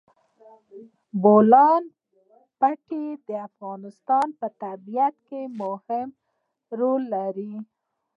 د بولان پټي د افغانستان په طبیعت کې مهم رول لري.